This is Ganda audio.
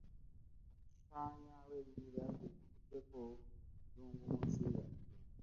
Okusaanyaawo ebibira kye kivuddeko eddungu mu nsi yaffe.